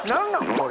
これ。